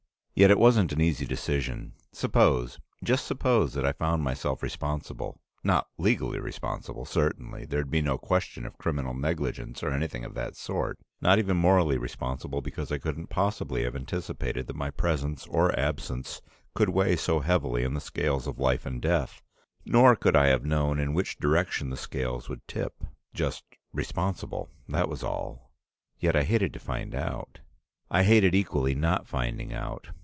Yet it wasn't an easy decision. Suppose just suppose that I found myself responsible not legally responsible, certainly; there'd be no question of criminal negligence, or anything of that sort not even morally responsible, because I couldn't possibly have anticipated that my presence or absence could weigh so heavily in the scales of life and death, nor could I have known in which direction the scales would tip. Just responsible; that was all. Yet I hated to find out. I hated equally not finding out.